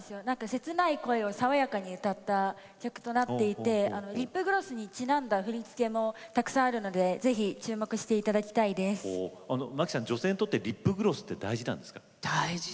切ない恋を爽やかに歌った曲となっていてリップグロスにちなんだ振り付けもたくさんあるので摩季さん女性にとってリップグロスは大事ですか？